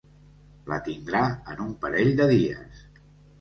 La tindrà en un parell de dies.